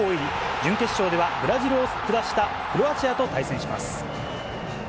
準決勝ではブラジルを下したクロアチアと対戦します。